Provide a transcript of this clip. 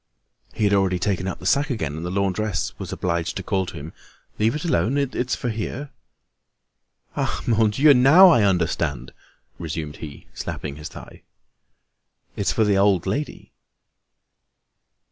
He had already taken up the sack again, and the laundress was obliged to call to him: "Leave it alone, it's for here." "Ah! Mon Dieu! Now I understand!" resumed he, slapping his thigh. "It's for the old lady."